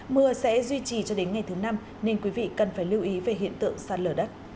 mưa sẽ duy trì cho đến ngày thứ năm nên quý vị cần phải lưu ý về hiện tượng sạt lở đất